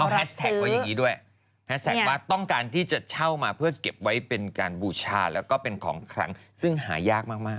แฮชแท็กไว้อย่างนี้ด้วยแฮสแท็กว่าต้องการที่จะเช่ามาเพื่อเก็บไว้เป็นการบูชาแล้วก็เป็นของขลังซึ่งหายากมาก